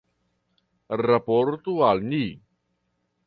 Raportu al ni.